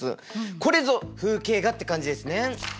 これぞ風景画って感じですね！